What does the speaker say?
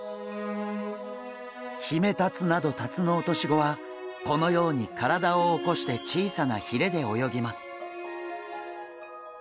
ヒメタツなどタツノオトシゴはこのように体を起こして小さなひれで泳ぎます。